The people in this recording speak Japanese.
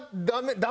ダメ。